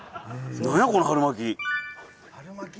なんやこの春巻き。